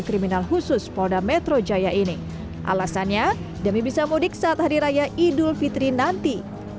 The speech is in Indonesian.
kriminal khusus polda metro jaya ini alasannya demi bisa mudik saat hari raya idul fitri nanti